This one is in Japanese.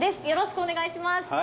よろしくお願いします！